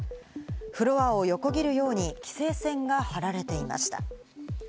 フロアを横切るように規制線が張られていました。